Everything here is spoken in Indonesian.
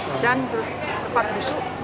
hujan terus cepat busuk